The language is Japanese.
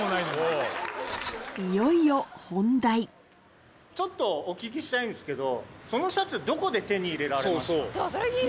いよいよちょっとお聞きしたいんですけど。